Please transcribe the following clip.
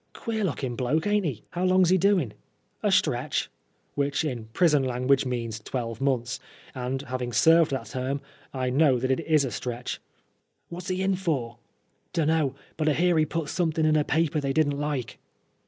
" Queer lookin* bloke, aint he ?"—^^ How long's he doin' ?'*—" A stretch," which in prison lan guage means twelve months, and having served that term, I know that it is a stretch. " What's he in for ?"—" Dunno, but I hear he put somethin* in a paper they didn't like."